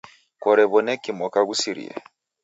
Korew'oneki mwaka ghusirie?